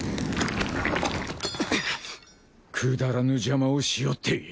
くだらぬ邪魔をしおって。